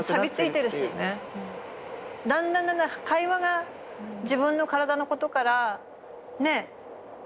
だんだんだんだん会話が自分の体のことからねえ。